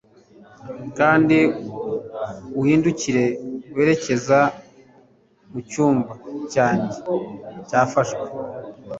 Kandi uhindukire werekeza mucyumba cyanjye cyafashwe